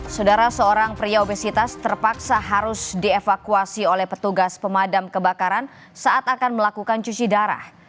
saudara seorang pria obesitas terpaksa harus dievakuasi oleh petugas pemadam kebakaran saat akan melakukan cuci darah